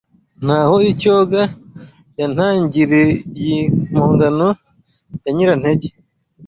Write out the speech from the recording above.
Ntaho y’icyogaYa Ntangiriyimpongano ya Nyirantege